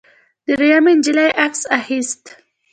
درېیمې نجلۍ عکس اخیست.